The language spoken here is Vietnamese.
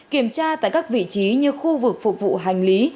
kiểm tra tại các vị trí như khu vực phục vụ hành lý